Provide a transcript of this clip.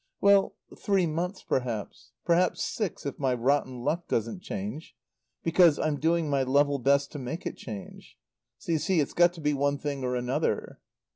"Well, three months perhaps. Perhaps six, if my rotten luck doesn't change. Because, I'm doing my level best to make it change. So, you see, it's got to be one thing or another."